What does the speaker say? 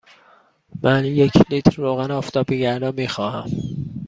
من یک لیتر روغن آفتابگردان می خواهم.